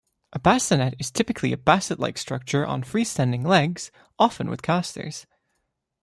A bassinet is typically a basket-like structure on free-standing legs, often with casters.